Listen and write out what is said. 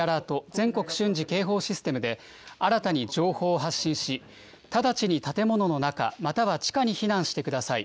・全国瞬時警報システムを新たに情報を発信し、直ちに建物の中、または地下に避難してください。